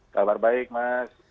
kabar baik mas